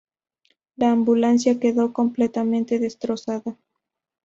La ambulancia quedó completamente destrozada.